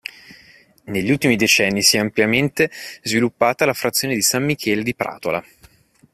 Negli ultimi decenni si è ampiamente sviluppata la frazione di San Michele di Pratola.